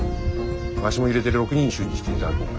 わしも入れて６人衆にしていただこうか。